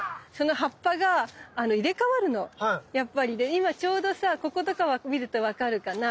今ちょうどさこことか見ると分かるかな？